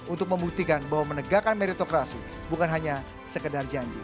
untuk membuktikan bahwa menegakkan meritokrasi bukan hanya sekedar janji